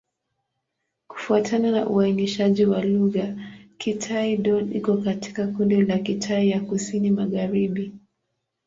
Kufuatana na uainishaji wa lugha, Kitai-Dón iko katika kundi la Kitai ya Kusini-Magharibi.